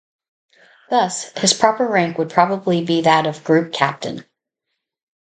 Thus his proper rank would probably be that of group captain.